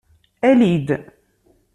Ali-d!